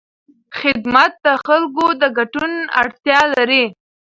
خدمت د خلکو د ګډون اړتیا لري.